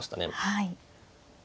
はい。